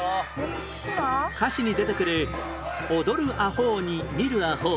歌詞に出てくる「踊る阿呆に見る阿呆